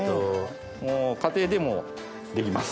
家庭でもできます。